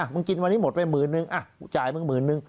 มึงกินวันนี้หมดไปหมื่นหนึ่งอ้ะจ่ายมึงหมื่นหนึ่ง